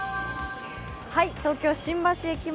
東京・新橋駅前。